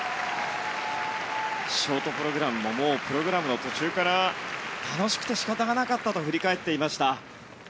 ショートプログラムももうプログラムの途中から楽しくて仕方がなかったと振り返っていました。